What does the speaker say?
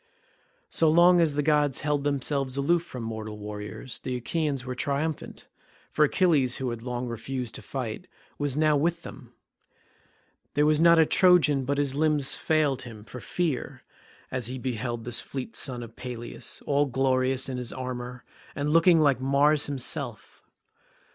So long as the gods held themselves aloof from mortal warriors the Achaeans were triumphant, for Achilles who had long refused to fight was now with them. There was not a Trojan but his limbs failed him for fear as he beheld the fleet son of Peleus all glorious in his armour, and looking like Mars himself.